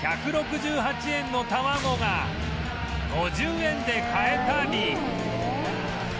１６８円の卵が５０円で買えたり